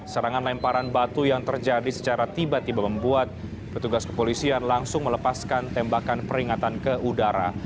serangan lemparan batu yang terjadi secara tiba tiba membuat petugas kepolisian langsung melepaskan tembakan peringatan ke udara